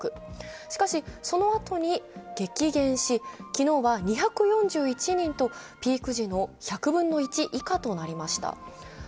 しかしそのあとに激減し、昨日は２４１人と、ピーク時の１００分の１以下となりましたる